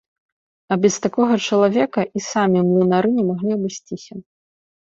А без такога чалавека і самі млынары не маглі абысціся.